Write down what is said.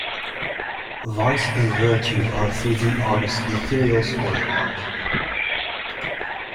Vice and virtue are to the artist materials for an art.